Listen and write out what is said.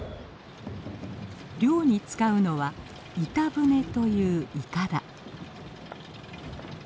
漁に使うのは「板舟」といういかだ。